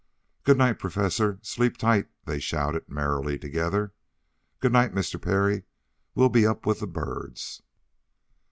"Good night, Professor, sleep tight," they shouted merrily altogether. "Good night, Mr. Parry. We'll be up with the birds."